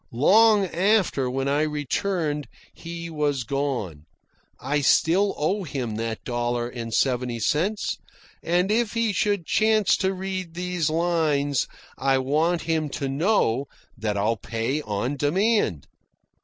Long after, when I returned, he was gone. I still owe him that dollar and seventy cents, and if he should chance to read these lines I want him to know that I'll pay on demand.)